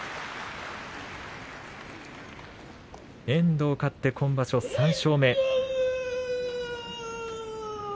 遠藤勝って、今場所３勝目。